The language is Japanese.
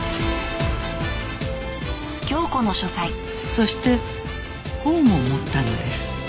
「そしてこうも思ったのです」